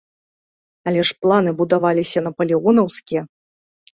Але ж планы будаваліся напалеонаўскія.